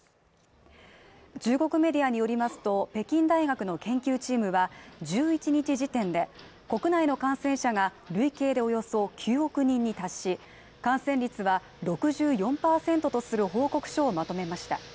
中国メディアによりますと北京大学の研究チームは１１日時点で国内の感染者が累計でおよそ９億人に達し感染率は６４％とする報告書をまとめました